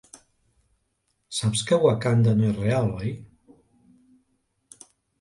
Saps que Wakanda no és real, oi?